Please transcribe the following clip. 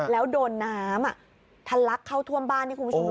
แล้วโดนน้ำอ่ะทันลักเข้าท่วมบ้านนี่คุณผู้ชมดูนั่น